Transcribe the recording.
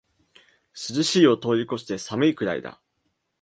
涼しいを通りこして寒いくらいだ